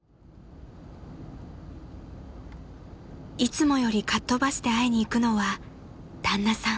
［いつもよりかっ飛ばして会いに行くのは旦那さん］